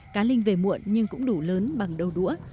cá linh về muộn nhưng cũng đủ lớn bằng đầu đũa